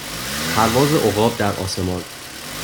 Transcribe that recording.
پرواز عقاب در آسمان